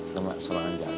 tidak semangat jantung